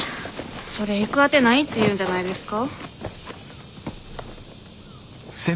それ行く当てないって言うんじゃないですか。